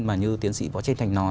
mà như thiến sĩ võ trí thành nói